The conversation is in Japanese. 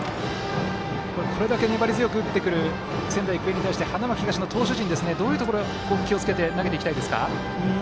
これだけ粘り強く打ってくる仙台育英に対して花巻東の投手陣どういうところ気をつけて投げていきたいですか。